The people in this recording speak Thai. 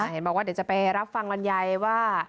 เห็นบอกว่าเดี๋ยวจะไปรับฟังลำไยว่า